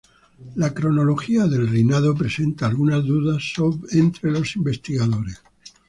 La cronología del reinado presenta algunas dudas entre los investigadores.